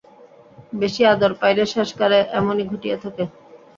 বেশি আদর পাইলে শেষকালে এমনই ঘটিয়া থাকে।